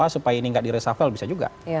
supaya ini tidak diresafel bisa juga